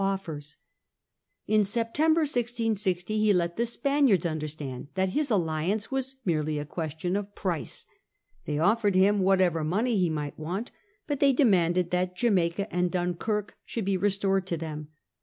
offers. In September 1660 he let the Span iards understand that his alliance was merely a question of price. They offered him whatever money he might want, but they demanded that Jamaica and Dun kirk should be restored to them.